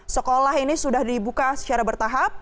sekolah ini sudah dibuka secara bertahap